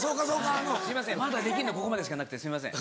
すいませんまだできんのここまでしかなくてすいません。